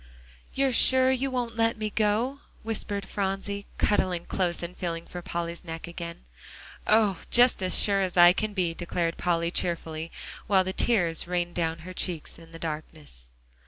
"You're sure you won't let me go?" whispered Phronsie, cuddling close, and feeling for Polly's neck again. "Oh! just as sure as I can be," declared Polly cheerfully, while the tears rained down her cheek in the darkness.